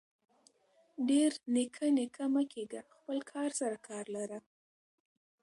ډير نيکه نيکه مه کيږه خپل کار سره کار لره.